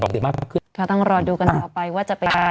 เราต้องรอดูกันต่อไปว่าจะไปไหว